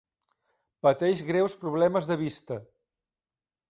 Pateix greus problemes de vista.